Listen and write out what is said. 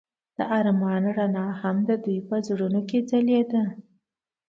د آرمان رڼا هم د دوی په زړونو کې ځلېده.